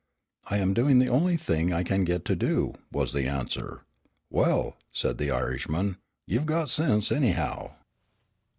"I am doing the only thing I can get to do," was the answer. "Well," said the Irishman, "ye've got sinse, anyhow."